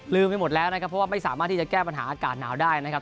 ไปหมดแล้วนะครับเพราะว่าไม่สามารถที่จะแก้ปัญหาอากาศหนาวได้นะครับ